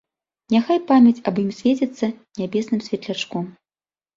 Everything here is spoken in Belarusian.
Няхай памяць аб ім свеціцца нябесным светлячком.